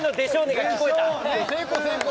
成功成功。